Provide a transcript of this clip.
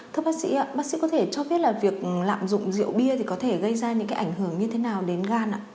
thưa bác sĩ bác sĩ có thể cho biết việc lạm dụng rượu bia có thể gây ra những ảnh hưởng như thế nào đến gan